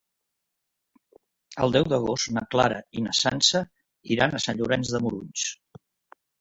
El deu d'agost na Carla i na Sança iran a Sant Llorenç de Morunys.